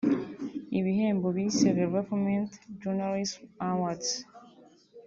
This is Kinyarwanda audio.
ibihembo bise Development Journalism Awards